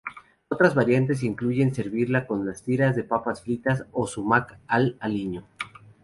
Otras variantes incluyen servirla con tiras de pita fritas o "sumac" al aliño.